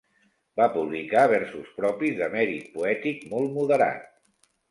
Va publicar versos propis de mèrit poètic molt moderat.